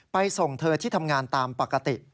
ส่งเธอที่ทำงานตามปกติ